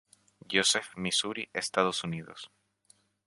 Joseph, Missouri, Estados Unidos.